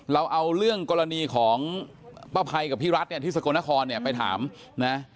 เราเอาเรื่องกรณีของป้าภัยกับพี่รัฐเนี่ยที่สกลนครเนี่ยไปถามนะ